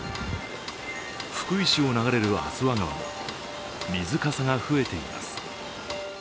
福井市を流れる足羽川も水かさが増えています。